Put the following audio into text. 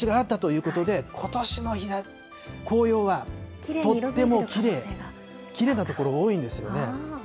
１５０％ぐらい日ざしがあったということで、ことしの紅葉はとってもきれい、きれいな所多いんですよね。